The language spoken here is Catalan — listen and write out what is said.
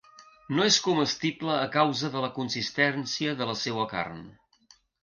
No és comestible a causa de la consistència de la seua carn.